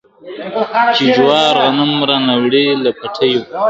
چي جوار غنم را نه وړئ له پټیو .